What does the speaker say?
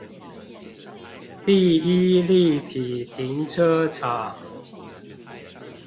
第一立體停車場